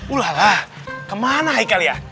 ulala kemana haikal ya